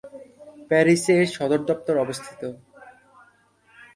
প্যারিসে এর সদর দপ্তর অবস্থিত।